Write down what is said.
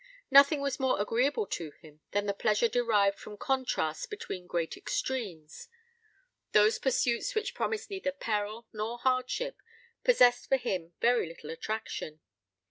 Nothing was more agreeable to him than the pleasure derived from contrasts between great extremes. Those pursuits which promised neither peril nor hardship possessed for him very little attraction.